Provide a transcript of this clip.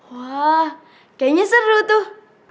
wah kayaknya seru tuh